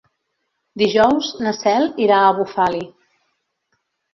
Dijous na Cel irà a Bufali.